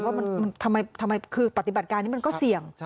ว่าทำไมคือปฏิบัติการนี้มันก็เสี่ยง